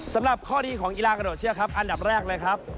สำหรับข้อดีของกีฬากระโดดเชือกครับอันดับแรกเลยครับ